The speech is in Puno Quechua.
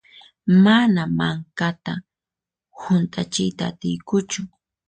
Mana mankata hunt'achiyta atiykuchu.